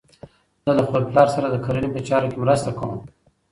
زه له خپل پلار سره د کرنې په چارو کې مرسته کوم.